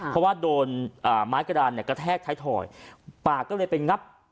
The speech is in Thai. เพราะว่าโดนไม้กระดานกระแทกท้ายถอยปากก็เลยไปงับ